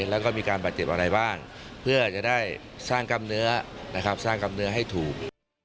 แล้วก็มีการปรับเจ็บอะไรบ้างเพื่อจะได้สร้างกำเนื้อให้ถูก